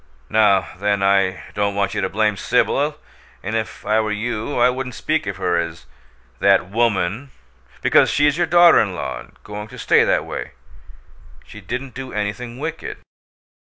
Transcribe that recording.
Now, then, I don't want you to blame Sibyl, and if I were you I wouldn't speak of her as 'that woman,' because she's your daughter in law and going to stay that way. She didn't do anything wicked.